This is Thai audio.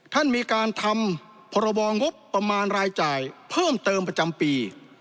ท่านมีการทำพรบงบประมาณรายจ่ายเพิ่มเติมประจำปี